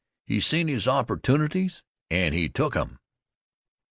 He Seen His Opportunities, and He Took 'Em."